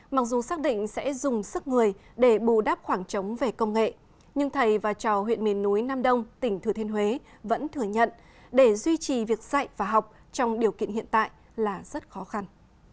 mặc dù xác định sẽ dùng sức người để bù đáp khoảng trống về công nghệ nhưng thầy và trò huyện miền núi nam đông tỉnh thừa thiên huế vẫn thừa nhận để duy trì việc dạy và học trong điều kiện hiện tại là rất khó khăn